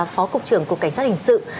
phó cục trưởng cục cảnh sát hình sự